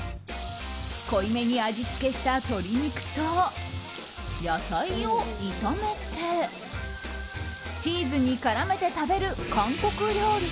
濃いめに味付けした鶏肉と野菜を炒めてチーズに絡めて食べる韓国料理。